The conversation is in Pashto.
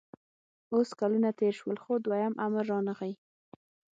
اوس کلونه تېر شول خو دویم امر رانغی